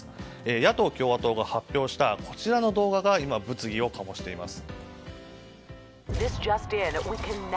野党・共和党が発表したこちらの動画が今、物議を醸しています。